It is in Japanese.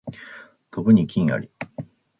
飛ぶに禽あり